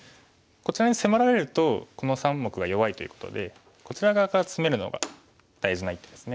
こちらに迫られるとこの３目が弱いということでこちら側からツメるのが大事な一手ですね。